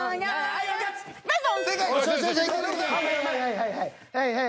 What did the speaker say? はいはいはいはい。